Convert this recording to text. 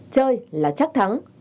chơi là chắc thắng